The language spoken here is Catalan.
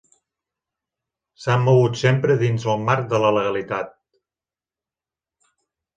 S'han mogut sempre dins el marc de la legalitat.